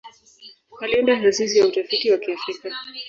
Aliunda Taasisi ya Utafiti wa Kiafrika.